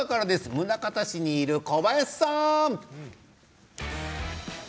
宗像市にいる、小林さん。